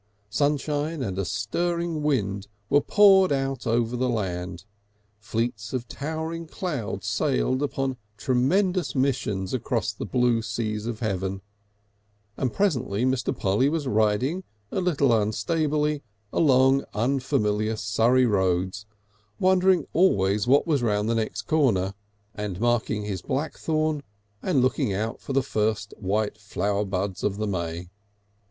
Sunshine and a stirring wind were poured out over the land, fleets of towering clouds sailed upon urgent tremendous missions across the blue seas of heaven, and presently Mr. Polly was riding a little unstably along unfamiliar Surrey roads, wondering always what was round the next corner, and marking the blackthorn and looking out for the first white flower buds of the may.